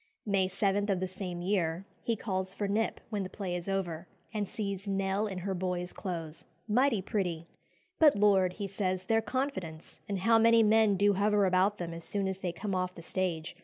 May 7 of the same year, he calls for Knipp when the play is over, and sees "Nell in her boy's clothes, mighty pretty." "But, Lord!" he says, "their confidence! and how many men do hover about them as soon as they come off the stage!